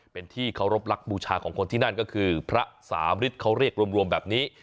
เป็นที่เคารพรักบูชาของคนที่นั่นก็คือพระสามฤทธิ์เขาเรียกรวมแบบนี้